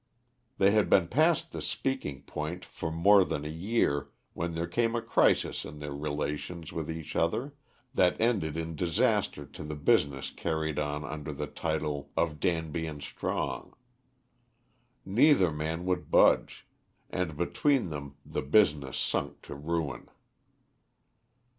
They had been past the speaking point for more than a year, when there came a crisis in their relations with each other, that ended in disaster to the business carried on under the title of Danby and Strong. Neither man would budge, and between them the business sunk to ruin.